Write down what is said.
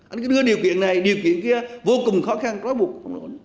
anh cứ đưa điều kiện này điều kiện kia vô cùng khó khăn rõ ràng không ổn